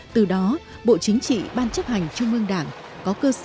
từ đó bộ chính trị ban chấp hành trung ương đảng